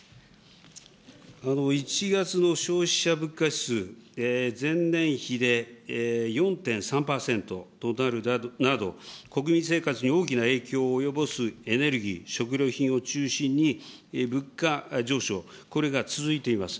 １月の消費者物価指数、前年比で４．３％となるなど、国民生活に大きな影響を及ぼすエネルギー、食料品を中心に、物価上昇、これが続いています。